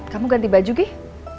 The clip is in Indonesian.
kamu ganti baju gih